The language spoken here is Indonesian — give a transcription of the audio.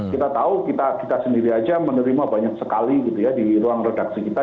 kita tahu kita sendiri saja menerima banyak sekali di ruang redaksi kita